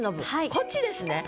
こっちですね。